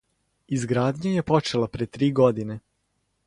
Изградња је почела пре три године.